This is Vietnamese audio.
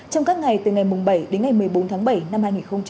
trong các ngày từ ngày bảy đến ngày một mươi bốn tháng bảy năm hai nghìn một mươi chín